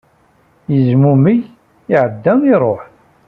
Yezmummeg, iɛedda iruḥ.